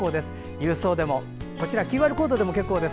郵送でも、ＱＲコードからでも結構です。